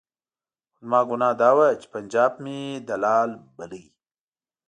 خو زما ګناه دا وه چې پنجاب مې دلال بللو.